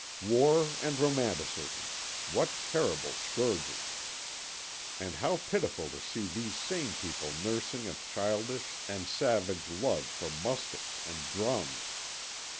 War and Romanticism, what terrible scourges! And how pitiful to see these same people nursing a childish and savage love for muskets and drums!